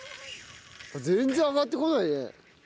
全然上がってこないね。